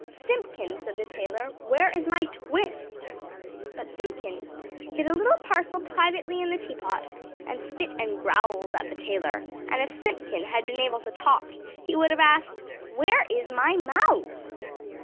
"Simpkin," said the tailor, "where is my TWIST?" But Simpkin hid a little parcel privately in the tea pot, and spit and growled at the tailor; and if Simpkin had been able to talk, he would have asked: "Where is my MOUSE?"